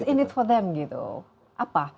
di dalamnya bagi mereka apa